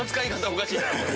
おかしい！